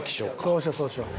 そうしようそうしよう。